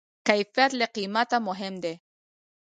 کیفیت له قیمته مهم دی.